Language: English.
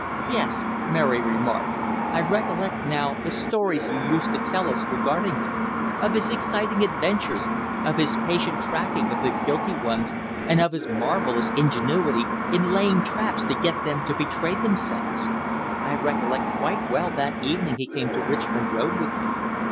"Yes," Mary remarked, "I recollect, now, the stories you used to tell us regarding him of his exciting adventures of his patient tracking of the guilty ones, and of his marvellous ingenuity in laying traps to get them to betray themselves. I recollect quite well that evening he came to Richmond Road with you.